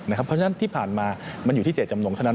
เพราะฉะนั้นที่ผ่านมามันอยู่ที่เจตจำนงเท่านั้น